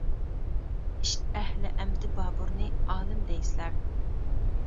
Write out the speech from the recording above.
ئىشىت ئەھلى ئەمدى بابۇرنى ئالىم دەيسىلەر.